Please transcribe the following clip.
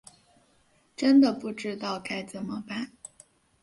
真的不知道该怎么办